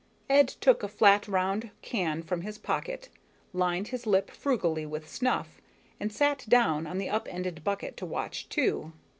Ed took a flat round can from his pocket, lined his lip frugally with snuff, and sat down on the up ended bucket to watch too.